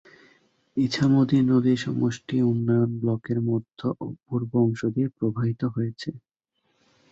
ইছামতি নদী সমষ্টি উন্নয়ন ব্লকের মধ্য ও পূর্ব অংশ দিয়ে প্রবাহিত হয়েছে।